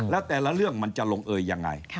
แล้วแต่ละเรื่องมันจะลงเอยยังไง